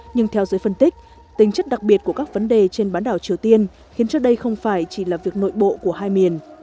nhưng theo giới phân tích tính chất đặc biệt của các vấn đề trên bán đảo triều tiên khiến cho đây không phải chỉ là việc nội bộ của hai miền